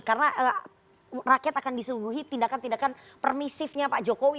karena rakyat akan disungguhi tindakan tindakan permisifnya pak jokowi